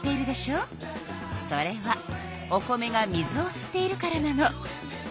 それはお米が水をすっているからなの。